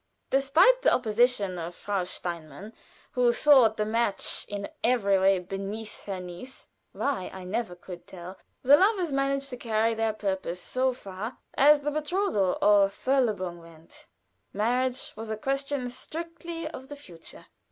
Despite the opposition of Frau Steinmann, who thought the match in every way beneath her niece (why, I never could tell), the lovers managed to carry their purpose so far as the betrothal or verlobung went; marriage was a question strictly of the future.